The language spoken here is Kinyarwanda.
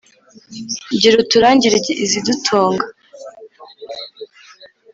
Gira uturangire izidutunga,